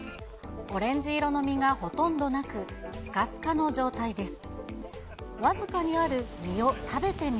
オレンジ色の身がほとんどなく、すかすかの状態です。